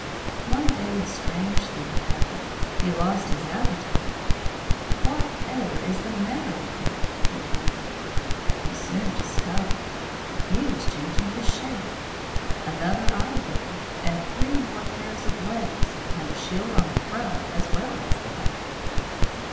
One day a strange thing happened. He lost his appetite. "Whatever is the matter with me?" he wondered. He soon discovered. He was changing his shape. Another eye grew, and three more pairs of legs, and a shield on the front as well as the back.